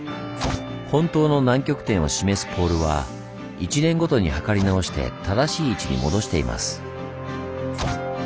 本当の南極点を示すポールは１年ごとに測り直して正しい位置に戻しています。